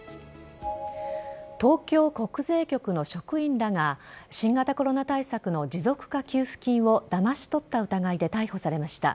東京国税局の職員らが新型コロナ対策の持続化給付金をだまし取った疑いで逮捕されました。